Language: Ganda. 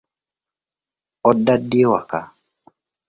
Odda ddi ewaka?